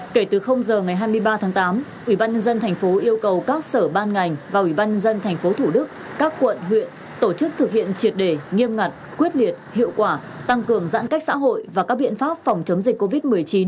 kể từ giờ ngày hai mươi ba tháng tám ủy ban dân thành phố yêu cầu các sở ban ngành và ủy ban dân thành phố thủ đức các quận huyện tổ chức thực hiện triệt đề nghiêm ngặt quyết liệt hiệu quả tăng cường giãn cách xã hội và các biện pháp phòng chống dịch covid một mươi chín